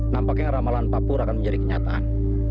nampaknya ramalan pak pur akan menjadi kenyataan